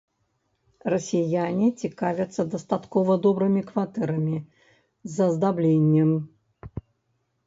Расіяне цікавяцца дастаткова добрымі кватэрамі, з аздабленнем.